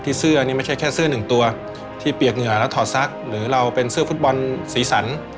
เสื้อนี่ไม่ใช่แค่เสื้อหนึ่งตัวที่เปียกเหงื่อแล้วถอดซักหรือเราเป็นเสื้อฟุตบอลสีสัน